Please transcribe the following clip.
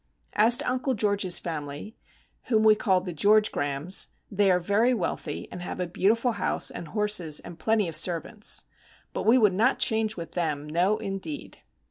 As to Uncle George's family,—whom we call the George Grahams,—they are very wealthy, and have a beautiful house, and horses, and plenty of servants. But we would not change with them. No, indeed!